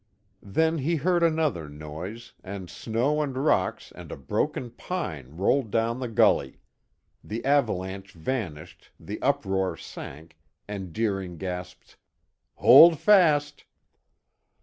Then he heard another noise, and snow and rocks and a broken pine rolled down the gully. The avalanche vanished, the uproar sank, and Deering gasped, "Hold fast!"